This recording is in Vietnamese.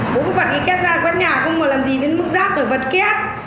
bố bảo cái kết ra quán nhà không mà làm gì đến mức giác rồi vật kết